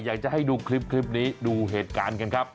อยากจะให้ดูคลิปนี้ดูเหตุการณ์กันครับ